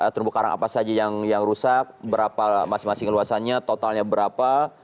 terumbu karang apa saja yang rusak berapa masing masing luasannya totalnya berapa